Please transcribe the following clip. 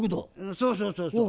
そうそうそうそう。